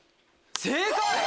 正解！